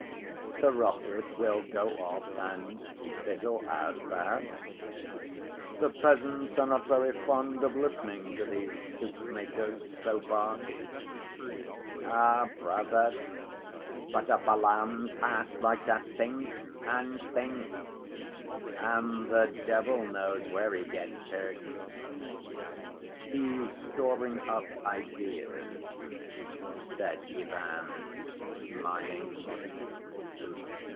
"The rocket will go off and fizzle out, perhaps. The peasants are not very fond of listening to these soup‐makers, so far." "Ah, brother, but a Balaam's ass like that thinks and thinks, and the devil knows where he gets to." "He's storing up ideas," said Ivan, smiling.